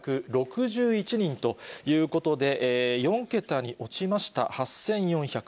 ８４６１人ということで、４桁に落ちました。